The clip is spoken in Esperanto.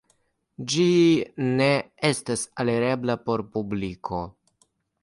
Ĝi ne estas alirebla por publiko.